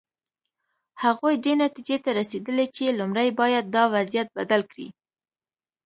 هغوی دې نتیجې ته رسېدلي چې لومړی باید دا وضعیت بدل کړي.